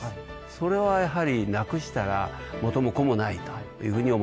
それはやはりなくしたら元も子もないというふうに思います。